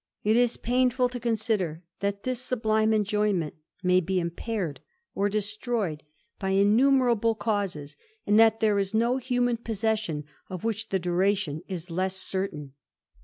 It is painful to consider, that this sublime ^ enjoyment may be impaired or destroyed by innumerabl causes, and that there is no human possession of which duration is less certain.